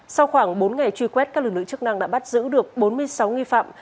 sau khoảng bốn ngày truy quét các lực lượng chức năng đã bắt giữ được bốn mươi sáu nghi phạm